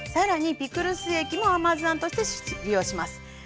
ピクルス液も甘酢あんとして利用します。